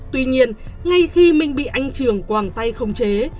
tuy nhiên ngay khi minh bị anh trường quàng tay khống chế